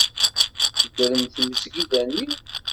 Tedrem tmesgida-nni.